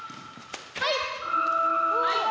はい！